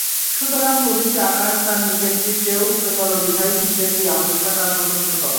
সুতরাং প্রতিটি আকাশ তার নিচেরটির চেয়ে উচ্চতর বিধায় নিচেরটি অপেক্ষা তা প্রশস্ততর।